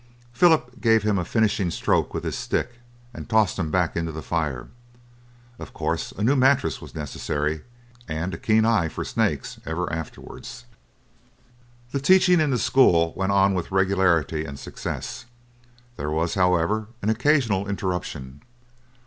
Philip gave him a finishing stroke with his stick, and tossed him back into the fire. Of course a new mattress was necessary, and a keen eye for snakes ever afterwards. The teaching in the school went on with regularity and success. There was, however, an occasional interruption.